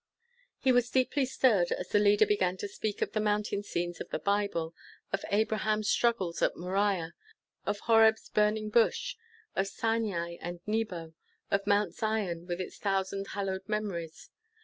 He was deeply stirred as the leader began to speak of the mountain scenes of the Bible, of Abraham's struggles at Moriah, of Horeb's burning bush, of Sinai and Nebo, of Mount Zion with its thousand hallowed memories.